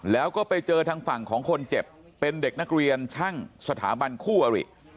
แล้วก็ไปเจอทางฝั่งของคนเจ็บเป็นเด็กนักเรียนช่างสถาบันคู่อริ